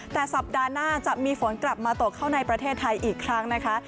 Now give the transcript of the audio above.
แต่สัปดาห์หน้าจะมีฝนกลับมาตกเข้าในประเทศไทยอีกครั้งนะคะ